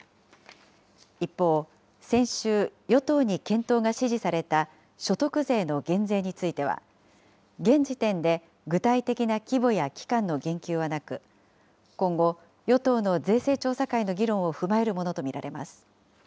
一方、先週、与党に検討が指示された所得税の減税については、現時点で具体的な規模や期間の言及はなく、今後、与党の税制調査会の議論を踏まえるものと見られます。